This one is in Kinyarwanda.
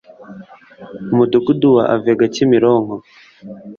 umudugudu wa avega kimironko